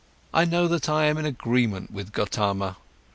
I know that I am in agreement with Gotama.